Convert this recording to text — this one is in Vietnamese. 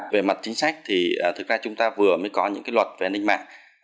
về mặt chính sách thì thực ra chúng ta vừa mới có những cái luật về an ninh mạng